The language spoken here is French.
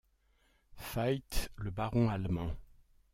feit le baron allemand.